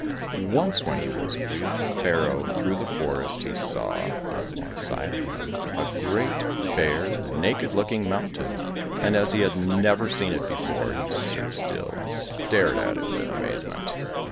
Once when he was wheeling a barrow through the forest he saw, on one side of him, a great, bare, naked looking mountain, and as he had never seen it before, he stood still and stared at it with amazement.